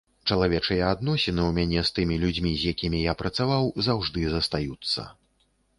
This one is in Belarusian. Чалавечыя адносіны ў мяне з тымі людзьмі, з якімі я працаваў, заўжды застаюцца.